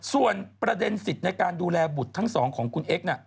ส่วนประเด็นสิทธิ์ในการดูแลบุตรทั้งสองของคุณเอ็กซ์